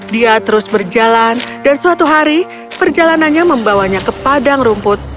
dia terus berjalan dan suatu hari perjalanannya membawanya ke padang rumput